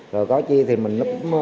rồi có chi thì mình cũng chia sẻ